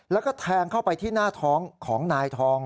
แล้วก็แทงเข้าไปที่หน้าท้องของนายทอง